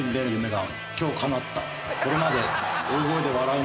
これまで。